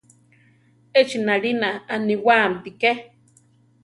Echi nalina aniwáamti ké.